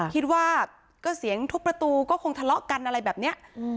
คิดว่าก็เสียงทุบประตูก็คงทะเลาะกันอะไรแบบนี้